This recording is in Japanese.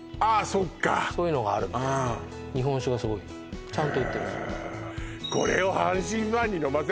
そっかそういうのがあるみたいで日本酒がすごいちゃんと売ってるんですよ